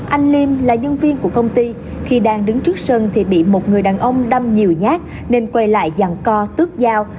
anh liêm là nhân viên của công ty khi đang đứng trước sân thì bị một người đàn ông đâm nhiều nhát nên quay lại dàn co tước dao